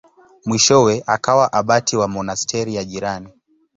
Mwishowe akawa abati wa monasteri ya jirani.